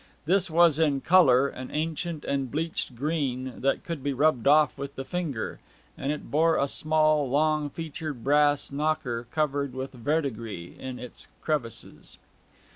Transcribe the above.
This was in colour an ancient and bleached green that could be rubbed off with the finger, and it bore a small long featured brass knocker covered with verdigris in its crevices.